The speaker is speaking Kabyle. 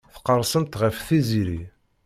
Tqerrsemt ɣef Tiziri.